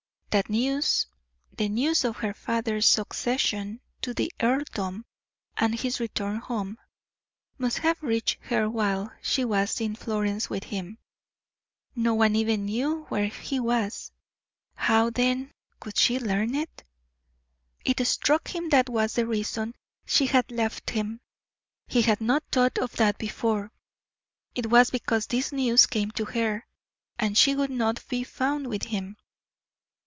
That news the news of her father's succession to the earldom, and his return home must have reached her while she was in Florence with him. No one even knew where he was; how, then, could she learn it. It struck him that was the reason she had left him; he had not thought of that before; it was because this news came to her, and she would not be found with him.